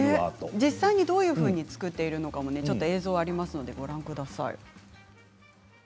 実際にどういうふうに作っているのか映像をご覧ください。